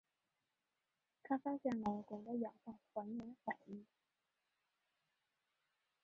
他发现了汞的氧化还原反应。